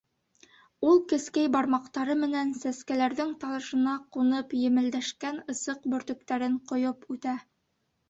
Ул кескәй бармаҡтары менән сәскәләрҙең тажына ҡунып емелдәшкән ысыҡ бөртөктәрен ҡойоп үтә.